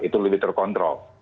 itu lebih terkontrol